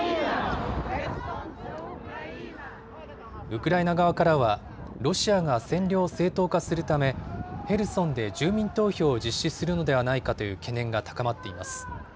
ウクライナ側からは、ロシアが占領を正当化するため、ヘルソンで住民投票を実施するのではないかという懸念が高まっています。